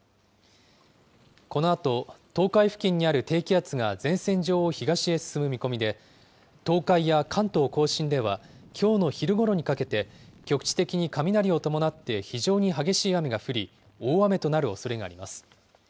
このあと東海付近にある低気圧が前線上を東へ進む見込みで、東海や関東甲信では、きょうの昼ごろにかけて、局地的に雷を伴って非常に激しい雨が降り、大雨となるおそれがあります。